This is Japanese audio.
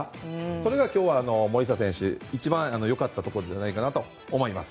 それが今日は森下選手の一番良かったところじゃないかなと思います。